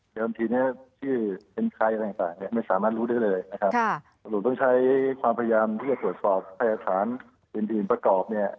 เวลาทีเนี่ยชื่อเป็นใครอะไรแบบนี้